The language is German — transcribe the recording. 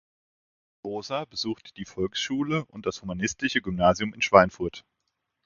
Rosa besuchte die Volksschule und das humanistische Gymnasium in Schweinfurt.